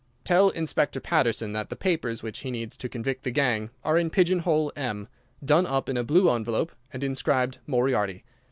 Tell Inspector Patterson that the papers which he needs to convict the gang are in pigeonhole M., done up in a blue envelope and inscribed 'Moriarty.